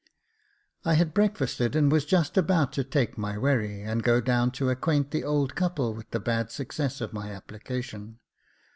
I had breakfasted, and was just about to take my wherry 4o8 Jacob Faithful and go down to acquaint the old couple with the bad success of my application.